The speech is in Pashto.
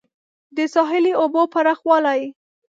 د ساحلي اوبو پراخوالی